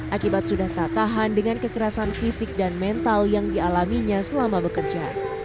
akibat sudah tak tahan dengan kekerasan fisik dan mental yang dialaminya selama bekerja